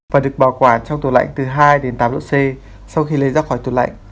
và được bảo quản trong tủ lạnh từ hai tám độ c sau khi lấy ra khỏi tủ lạnh